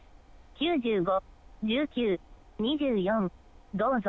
９５、１９、２４、どうぞ。